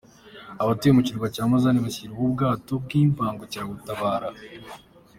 Abatuye ku kirwa cya Mazane bashyikirijwe ubwato bw’imbangukiragutabara